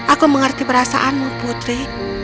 aku mengerti perasaanmu putri